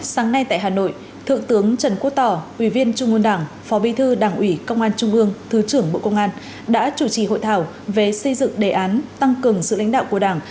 sáng nay tại hà nội thượng tướng trần quốc tỏ ủy viên trung ương đảng phó bí thư đảng ủy công an trung ương thứ trưởng bộ công an đã chủ trì hội thảo về xây dựng đề án tăng cường sự lãnh đạo của đảng